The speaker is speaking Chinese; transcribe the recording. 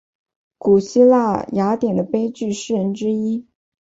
古希腊雅典的悲剧诗人之一。